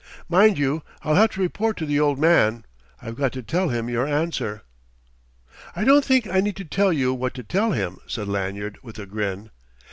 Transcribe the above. "Mind you, I'll have to report to the Old Man. I've got to tell him your answer." "I don't think I need tell you what to tell him," said Lanyard with a grin.